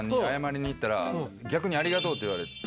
逆に「ありがとう」って言われた。